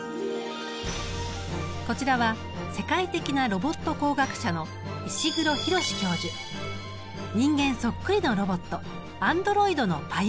こちらは世界的なロボット工学者の人間そっくりのロボットアンドロイドのパイオニアです。